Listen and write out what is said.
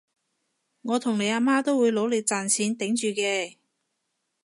我同你阿媽都會努力賺錢頂住嘅